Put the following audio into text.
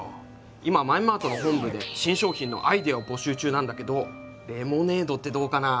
今マエマートの本部で新商品のアイデアを募集中なんだけどレモネードってどうかな？